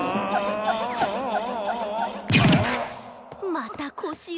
またこしを。